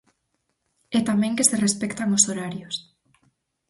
E tamén que se respectan os horarios.